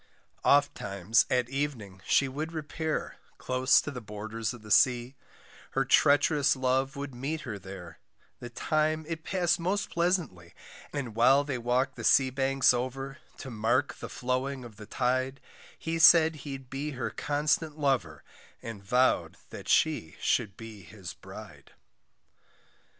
Ofttimes at evening she would repair, Close to the borders of the sea, Her treach'rous love would meet her there, The time it passed most pleasantly, And while they walked the sea banks over, To mark the flowing of the tide, He said he'd be her constant lover And vow'd that she should be his bride.